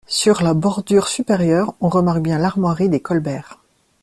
Sur la bordure supérieure, on remarque bien l'armoirie des Colbert.